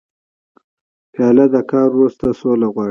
پیاله د قهر وروسته صلح غواړي.